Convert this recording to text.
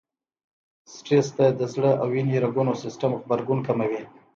سټرس ته د زړه او وينې رګونو سيستم غبرګون کموي.